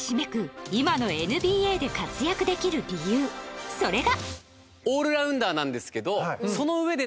今の ＮＢＡ で活躍できる理由それが